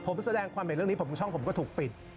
ผมแสดงความเห็นเรื่องนี้ผมช่องผมก็ถูกปิด